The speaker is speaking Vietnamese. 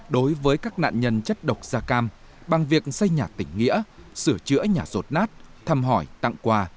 đối với các nạn nhân chất độc da cam bằng việc xây nhà tỉnh nghĩa sửa chữa nhà rột nát thăm hỏi tặng quà